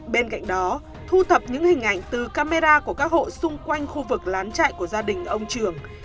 bên cạnh đó thu thập những hình ảnh từ camera của các hộ xung quanh khu vực lán chạy của gia đình ông trường